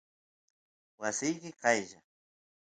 wasiki qaylla